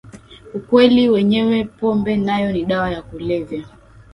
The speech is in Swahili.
ukweli wenyewe pombe nayo ni dawa ya kulevya